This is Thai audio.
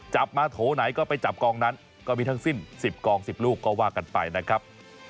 จับมาโถไหนก็ไปจับกองนั้นก็มีทั้งสิ้น๑๐กอง๑๐ลูกก็ว่ากันไปนะครับ